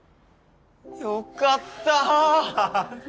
よかった！